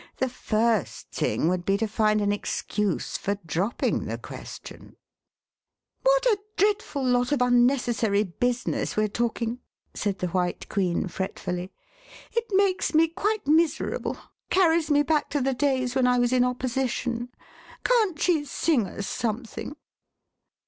The first thing would be to find an excuse for dropping the question." sir John Tenaiel.) " What a dreadful lot of unnecessary business we're talking!" said the White Queen fretfully. "It makes me quite miserable — carries me back to the days when I was in Opposition. Can't she sing us something?